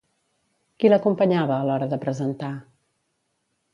Qui l'acompanyava a l'hora de presentar?